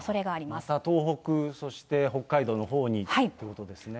また東北、そして北海道のほうに降るということですね。